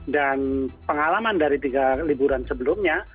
dan pengalaman dari tiga liburan sebelumnya